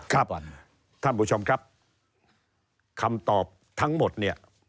ท่านผู้ชมครับคำตอบทั้งหมดเนี่ย